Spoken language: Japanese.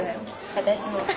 私も。